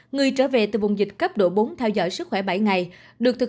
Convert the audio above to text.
người trở về từ vùng dịch cấp độ một hai ba